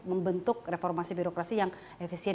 membentuk reformasi birokrasi yang efisien